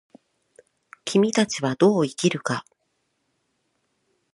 君たちはどう生きるか。